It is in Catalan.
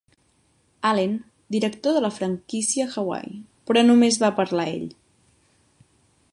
Allen, director de la franquícia a Hawaii, però només va parlar ell.